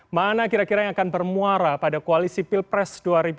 mana kira kira yang akan bermuara pada koalisi pilpres dua ribu dua puluh